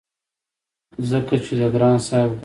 ځکه چې د ګران صاحب غزل